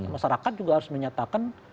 masyarakat juga harus menyatakan